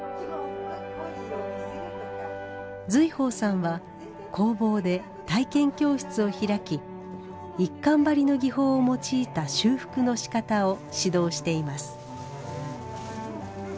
瑞宝さんは工房で体験教室を開き一閑張の技法を用いた修復のしかたを指導しています。